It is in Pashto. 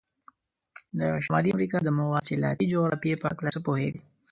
د شمالي امریکا د مواصلاتي جغرافیې په هلکه څه پوهیږئ؟